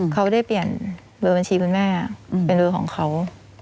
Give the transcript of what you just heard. เขาได้เปลี่ยนเบอร์บัญชีคุณแม่เป็นเบอร์ของเขา